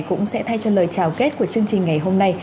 cũng sẽ thay cho lời chào kết của chương trình ngày hôm nay